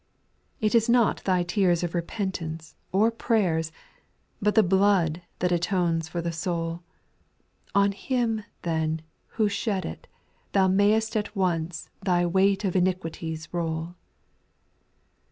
3. It is not thy tears of repentance or prayers, But the hhod that atones for the soul ; On Him, then, who shed it, thou maycst at once Thy weight of iniquities roll.